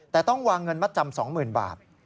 แต่ต้องวางเงินมัดจำ๒๐๐๐บาท